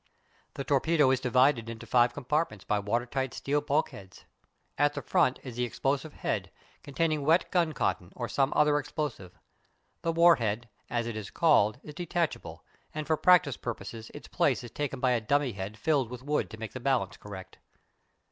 The torpedo is divided into five compartments by watertight steel bulkheads. At the front is the explosive head, containing wet gun cotton, or some other explosive. The "war head," as it is called, is detachable, and for practice purposes its place is taken by a dummy head filled with wood to make the balance correct.